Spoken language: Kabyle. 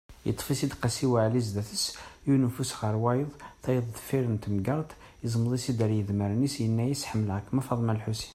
Yeṭṭef-itt-id Qasi waɛli zdat-s, yiwen ufus ɣef wayet, tayeḍ deffir n temgerḍt, iẓmeḍ-itt-id ar yidmaren-is, yenna-yas: Ḥemmleɣ-kem a Faḍma lḥusin.